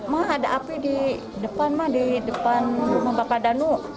mah ada api di depan mah di depan rumah bapak danu